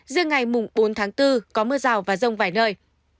riêng ngày bốn tháng bốn có mưa rào và rông vài nơi